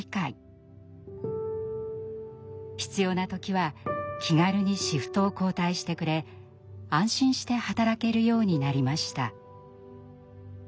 必要な時は気軽にシフトを交代してくれ安心して働けるようになりました。